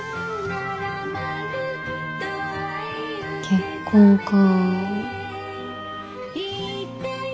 結婚か。